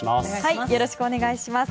よろしくお願いします。